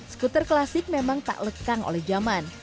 skuter klasik memang tak lekang oleh zaman